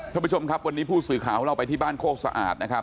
ท่านผู้ชมครับวันนี้ผู้สื่อข่าวของเราไปที่บ้านโคกสะอาดนะครับ